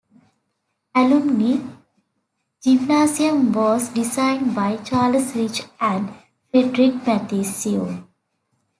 Alumni Gymnasium was designed by Charles Rich and Fredrick Mathesius.